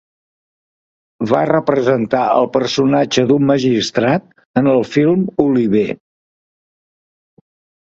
Va representar el personatge d'un magistrat en el film Oliver!